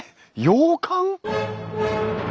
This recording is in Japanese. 洋館！？